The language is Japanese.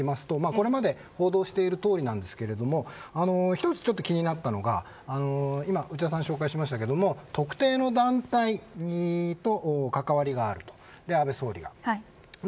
これまで報道しているとおりなんですけれど一つ気になったのが今内田さん紹介しましたが特定の団体と関わりがあると安倍総理が。